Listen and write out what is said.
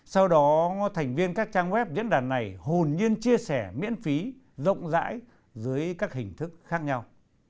sau đó thành viên các trang web diễn đàn này hồn nhiên chia sẻ miễn phí rộng rãi dưới các hình thức khác nhau